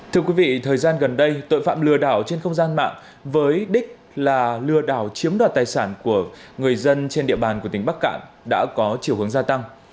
thưa quý vị thời gian gần đây tội phạm lừa đảo trên không gian mạng với đích là lừa đảo chiếm đoạt tài sản của người dân trên địa bàn của tỉnh bắc cạn đã có chiều hướng gia tăng